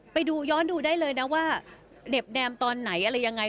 ไปดูย้อนดูได้เลยนะว่าเหน็บแนมตอนไหนอะไรยังไง